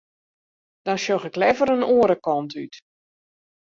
Dan sjoch ik leaver in oare kant út.